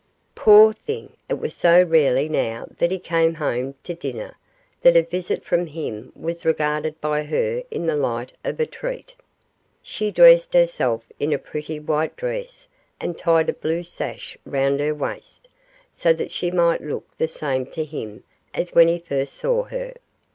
Poor thing, it was so rarely now that he came home to dinner, that a visit from him was regarded by her in the light of a treat. She dressed herself in a pretty white dress and tied a blue sash round her waist, so that she might look the same to him as when he first saw her.